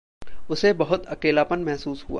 उसे बहुत अकेलापन महसूस हुआ।